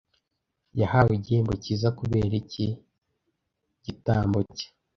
yahawe igihembo cyiza kubera iki gitabo cye